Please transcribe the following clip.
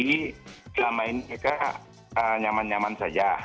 selama ini mereka nyaman nyaman saja